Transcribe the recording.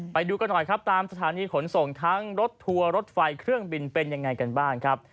ไปดูกันหน่อยครับตามสถานีขนส่งทั้งรถทัวร์รถไฟเครื่องบินเป็นยังไงกันบ้างครับ